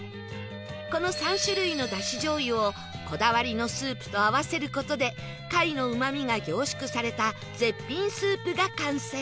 この３種類の出汁醤油をこだわりのスープと合わせる事で貝のうまみが凝縮された絶品スープが完成